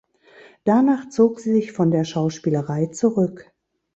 Danach zog sie sich von der Schauspielerei zurück.